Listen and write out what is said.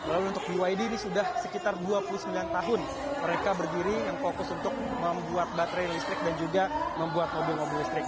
lalu untuk byd ini sudah sekitar dua puluh sembilan tahun mereka berdiri yang fokus untuk membuat baterai listrik dan juga membuat mobil mobil listrik